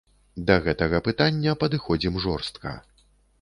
Да гэтага пытання падыходзім жорстка.